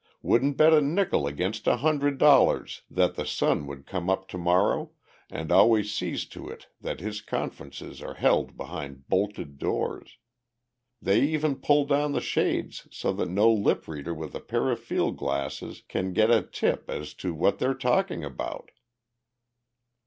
Wouldn't bet a nickel against a hundred dollars that the sun would come up to morrow and always sees to it that his conferences are held behind bolted doors. They even pull down the shades so that no lip reader with a pair of field glasses can get a tip as to what they're talking about."